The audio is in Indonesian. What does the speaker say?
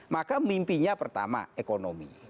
maka mimpinya pertama ekonomi